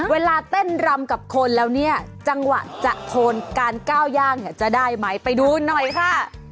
เวลาเต้นรำกับคนแล้วเนี่ยจังหวะจะโทนการก้าวย่างเนี่ยจะได้ไหมไปดูหน่อยค่ะ